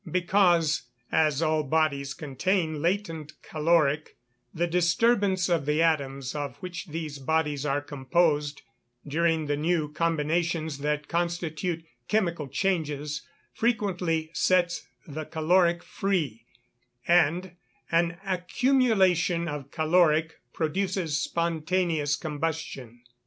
_ Because, as all bodies contain latent caloric, the disturbance of the atoms of which those bodies are composed, during the new combinations that constitute chemical changes, frequently sets the caloric free, and an accumulation of caloric produces spontaneous combustion.